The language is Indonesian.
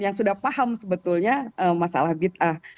yang sudah paham sebetulnya masalah bid'ah